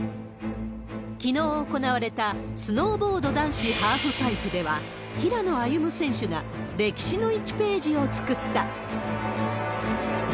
きのう行われたスノーボード男子ハーフパイプでは平野歩夢選手が歴史の１ページを作った。